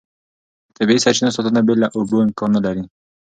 د طبیعي سرچینو ساتنه بې له اوبو امکان نه لري.